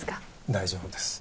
大丈夫です。